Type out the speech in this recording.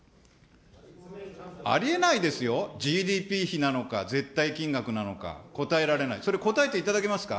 ありえないですよ、ＧＤＰ費なのか、絶対金額なのか、答えられない、それ答えていただけますか。